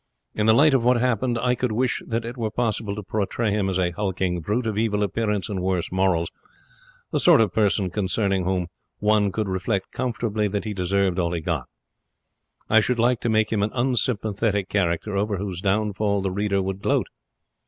In the light of what happened, I could wish that it were possible to portray him as a hulking brute of evil appearance and worse morals the sort of person concerning whom one could reflect comfortably that he deserved all he got. I should like to make him an unsympathetic character, over whose downfall the reader would gloat.